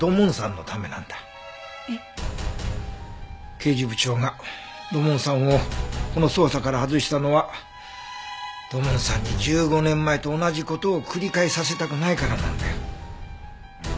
刑事部長が土門さんをこの捜査から外したのは土門さんに１５年前と同じ事を繰り返させたくないからなんだよ。